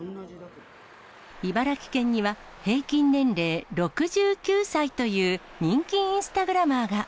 茨城県には、平均年齢６９歳という人気インスタグラマーが。